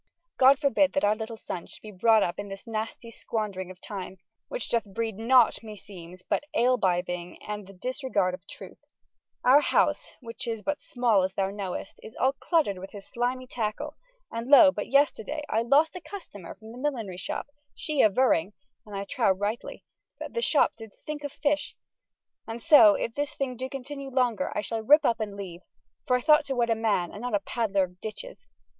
God forbidd that oure littel son sholde be brought uppe in this nastye squanderinge of tyme, wych doth breede nought (meseems) but ale bibbing and ye disregarde of truth. Oure house, wych is but small as thou knowest, is all cluttered wyth his slimye tackle, and loe but yesterdaye I loste a customer fromm ye millinery shoppe, shee averring (and I trow ryghtly) that ye shoppe dyd stinke of fysshe. Ande soe if thys thyng do continue longer I shall ripp uppe and leave, for I thoght to wed a man and not a paddler of dytches.